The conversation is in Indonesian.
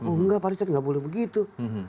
oh enggak pak richard nggak boleh begitu